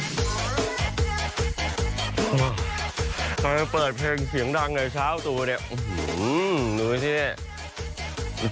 น่าเบิกเปิดเพลงเสียงดังในเช้าตัวเนี้ยมือดูสิเนี้ย